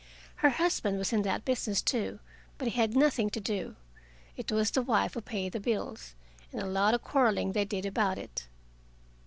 Her husband was in that business, too, but he had nothing to do. It was the wife who paid the bills, and a lot of quarreling they did about it.